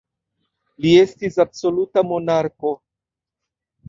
Li estis absoluta monarko.